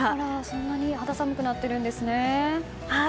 そんなに肌寒くなっているんですね。